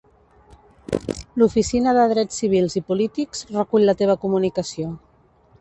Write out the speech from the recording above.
L'Oficina de Drets Civils i Polítics recull la teva comunicació.